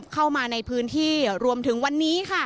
เข้ามาในพื้นที่รวมถึงวันนี้ค่ะ